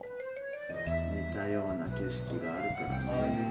似たような景色があるからね。